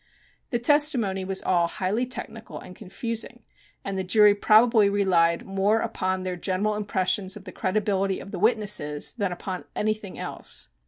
The testimony was all highly technical and confusing, and the jury probably relied more upon their general impressions of the credibility of the witnesses than upon anything else.